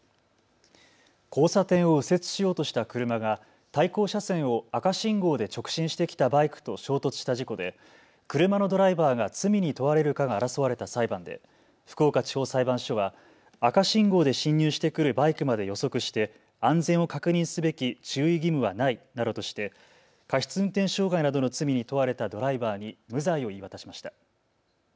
交差点を右折しようとした車が対向車線を赤信号で直進してきたバイクと衝突した事故で車のドライバーが罪に問われるかが争われた裁判で福岡地方裁判所は赤信号で進入してくるバイクまで予測して安全を確認すべき注意義務はないなどとして過失運転傷害などの罪に問われたドライバーに無罪を言い渡しました。